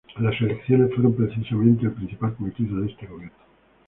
Las elecciones fueron, precisamente, el principal cometido de este gobierno.